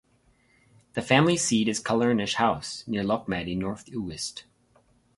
The family seat is Callernish House, near Lochmaddy, North Uist.